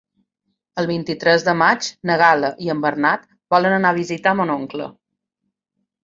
El vint-i-tres de maig na Gal·la i en Bernat volen anar a visitar mon oncle.